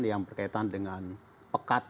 yang berkaitan dengan pekat